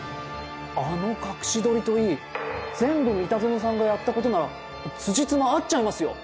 あの隠し撮りといい全部三田園さんがやった事ならつじつま合っちゃいますよ。